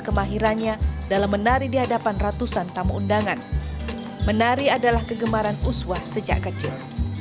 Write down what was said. kemahirannya dalam menari di hadapan ratusan tamu undangan menari adalah kegemaran uswah sejak kecil